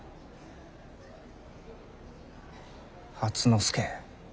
初之助。